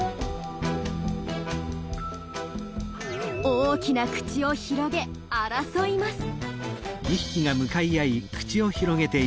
大きな口を広げ争います。